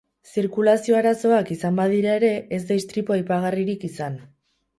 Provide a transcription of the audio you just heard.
Zirkulazio arazoak izan badira ere, ez da istripu aipagarririk izan.